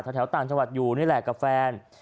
ทางแถวต่างชาวัดอยู่นี่แหละกับแฟน